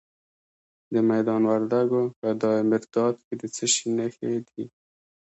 د میدان وردګو په دایمیرداد کې د څه شي نښې دي؟